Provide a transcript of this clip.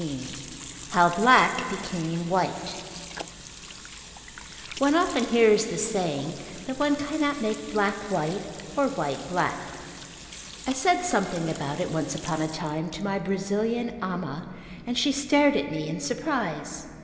XV How Black Became White One often hears the saying that one cannot make black white or white black. I said something about it once upon a time to my Brazilian ama and she stared at me in surprise.